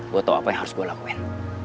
gue tahu apa yang harus gue lakuin